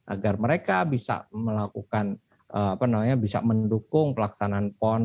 agar mereka bisa melakukan apa namanya bisa mendukung pelaksanaan pon